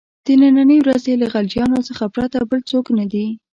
د نني ورځې له غلجیانو څخه پرته بل څوک نه دي.